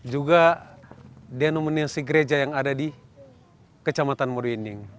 juga denominasi gereja yang ada di kecamatan modo inding